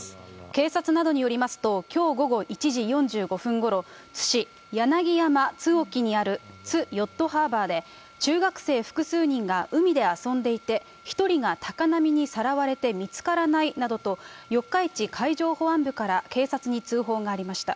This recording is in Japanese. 警察などによりますと、きょう午後１時４５分ごろ、津市柳山津興にある津ヨットハーバーで、中学生複数人が海で遊んでいて、１人が高波にさらわれて見つからないなどと、四日市海上保安部から警察に通報がありました。